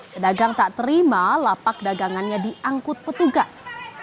pedagang tak terima lapak dagangannya diangkut petugas